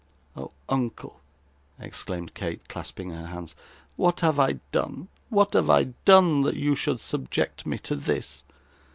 'Oh, uncle!' exclaimed Kate, clasping her hands. 'What have I done what have I done that you should subject me to this?